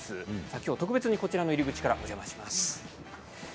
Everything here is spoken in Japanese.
今日は特別にこちらの入り口からお邪魔します。